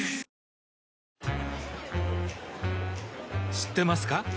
知ってますか？